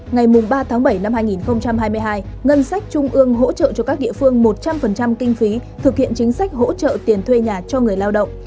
ngày ba tháng bảy năm hai nghìn hai mươi hai ngân sách trung ương hỗ trợ cho các địa phương một trăm linh kinh phí thực hiện chính sách hỗ trợ tiền thuê nhà cho người lao động